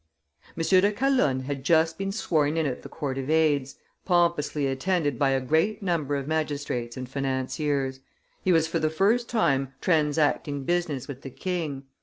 M. de Calonne had just been sworn in at the Court of Aids, pompously attended by a great number of magistrates and financiers; he was for the first time transacting business with the king.